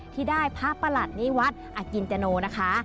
ที่ได้พระประหลัดนิวัฒน์อกินจโนนะคะ